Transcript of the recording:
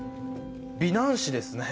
美男子ですね。